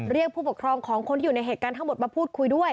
ผู้ปกครองของคนที่อยู่ในเหตุการณ์ทั้งหมดมาพูดคุยด้วย